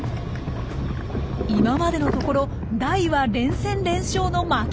今までのところダイは連戦連勝の負け